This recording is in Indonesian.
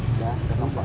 udah kamu buat